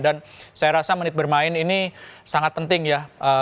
dan saya rasa menit bermain ini sangat penting ya